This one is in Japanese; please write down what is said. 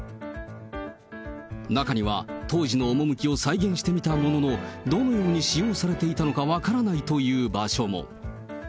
中には、当時の趣を再現してみたものの、どのように使用されていたのか分からないという場所も。